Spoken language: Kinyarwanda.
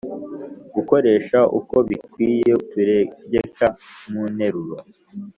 gukoresha uko bikwiye uturegeka mu nteruro.